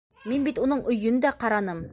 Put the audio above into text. Мин бит уның өйөн дә ҡараным.